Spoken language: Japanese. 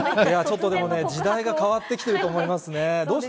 時代が変わってきていると思いますね。